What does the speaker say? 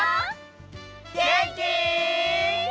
げんき？